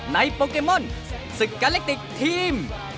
โปเกมอนศึกการเล็กติกทีม